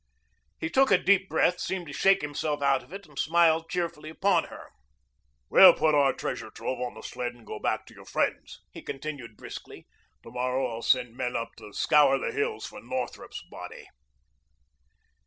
He took a deep breath, seemed to shake himself out of it, and smiled cheerfully upon her. "We'll put our treasure trove on the sled and go back to your friends," he continued briskly. "To morrow I'll send men up to scour the hills for Northrup's body."